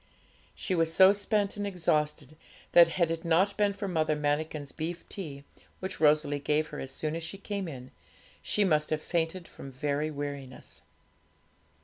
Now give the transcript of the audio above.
She was so spent and exhausted that, had it not been for Mother Manikin's beef tea, which Rosalie gave her as soon as she came in, she must have fainted from very weariness.